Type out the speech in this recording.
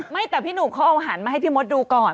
ไม่แต่พี่หนูเขาเอาหันมาให้พี่มดดูก่อน